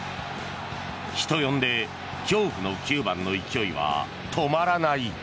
人呼んで恐怖の９番の勢いは止まらない。